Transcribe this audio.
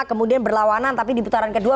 kemudian berlawanan tapi di putaran kedua